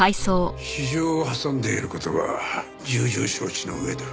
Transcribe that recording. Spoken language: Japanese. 私情を挟んでいる事は重々承知の上だ。